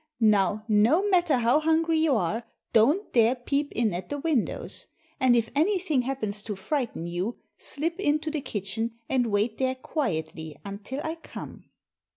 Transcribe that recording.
Now no matter how hungry you are don't dare peep in at the windows. And if anything happens to frighten you slip into the kitchen and wait there quietly until I come."